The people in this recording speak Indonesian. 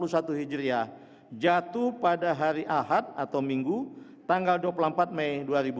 satu hijriah jatuh pada hari ahad atau minggu tanggal dua puluh empat mei dua ribu dua puluh